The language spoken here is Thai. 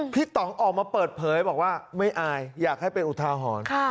ต่องออกมาเปิดเผยบอกว่าไม่อายอยากให้เป็นอุทาหรณ์